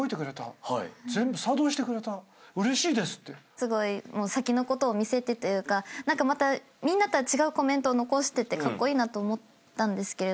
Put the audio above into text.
すごい先のことを見据えてというかみんなとは違うコメントを残しててカッコイイなと思ったんですけど。